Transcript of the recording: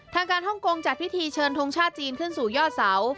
ทางการฮ่องกงจัดพิธีเชิญทงชาติจีนขึ้นสู่ยอดเสา